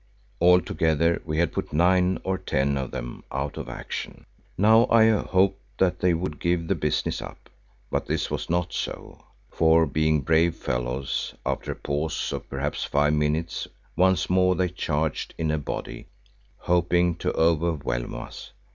Altogether we had put nine or ten of them out of action. Now I hoped that they would give the business up. But this was not so, for being brave fellows, after a pause of perhaps five minutes, once more they charged in a body, hoping to overwhelm us.